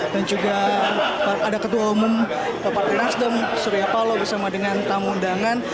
dan juga ada ketua umum departemen nasdem surya palo bersama dengan tamu undangan